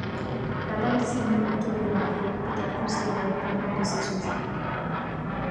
La bande dessinée autobiographique peut être considérée comme un de ses sous-genres.